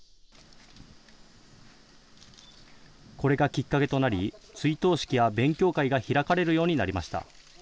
これがきっかけとなり、追悼式や勉強会が開かれるようになりました。